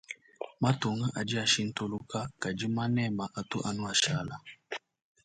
Matunga adi ashintuluka kadi manema atu anu ashala.